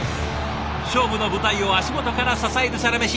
勝負の舞台を足元から支えるサラメシ